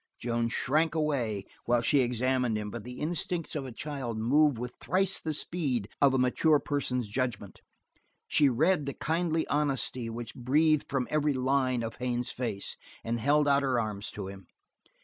Joan shrank away while she examined him, but the instincts of a child move with thrice the speed of a mature person's judgment; she read the kindly honesty which breathed from every line of Haines' face, and held out her arms to him.